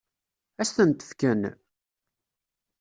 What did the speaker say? Ad s-tent-fken?